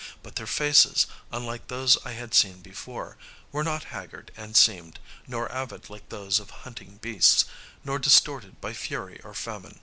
But their faces, unlike those which I had seen before, were not haggard and seamed, nor avid like those of hunting beasts, nor distorted by fury or famine.